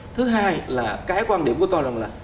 thứ hai là cái quan điểm của tôi là